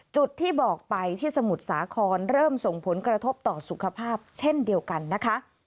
จุดที่บอกไปที่สมุทรสาครเริ่มส่งผลกระทบต่อสุขภาพเช่นเดียวกันนะคะ